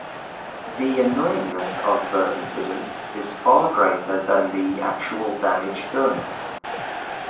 The annoyingness of the incident is far greater than the actual damage done.